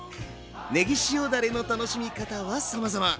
ねぎ塩だれの楽しみ方はさまざま。